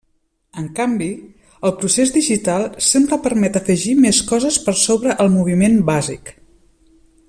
En canvi, el procés digital sempre permet afegir més coses per sobre el moviment bàsic.